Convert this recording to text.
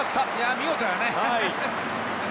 見事だね。